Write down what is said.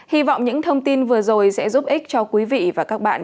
hy vọng những thông tin vừa rồi sẽ giúp ích cho quý vị và các bạn